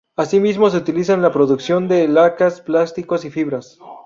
Asimismo se utiliza en la producción de lacas, plásticos y fibras.